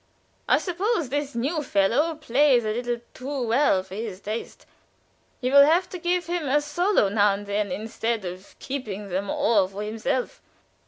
I suppose this new fellow plays a little too well for his taste. He will have to give him a solo now and then instead of keeping them all for himself."